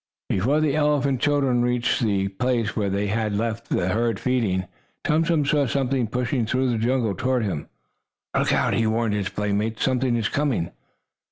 Before the elephant children reached the place where they had left the herd feeding, Tum Tum saw something pushing through the jungle toward them. "Look out!" he warned his playmates. "Something is coming!"